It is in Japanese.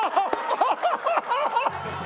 アハハハハ！